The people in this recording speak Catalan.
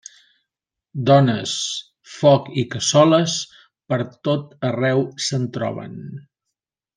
Dones, foc i cassoles, pertot arreu se'n troben.